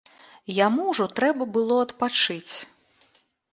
Яму ўжо трэба было адпачыць.